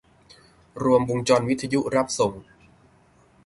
รวมวงจรวิทยุรับส่ง